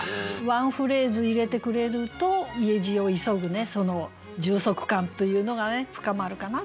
ワンフレーズ入れてくれると家路を急ぐその充足感というのがね深まるかなと思いますね。